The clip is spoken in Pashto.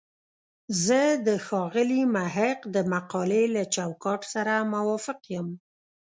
زه د ښاغلي محق د مقالې له چوکاټ سره موافق یم.